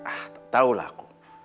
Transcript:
ah tak tahulah aku